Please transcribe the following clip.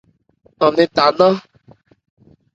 Án 'nɛn tha nnán.